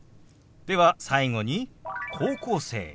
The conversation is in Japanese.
では最後に「高校生」。